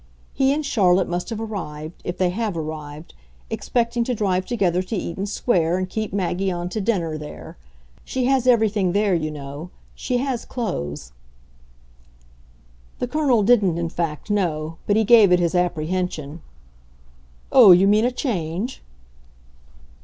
He and Charlotte must have arrived if they have arrived expecting to drive together to Eaton Square and keep Maggie on to dinner there. She has everything there, you know she has clothes." The Colonel didn't in fact know, but he gave it his apprehension. "Oh, you mean a change?"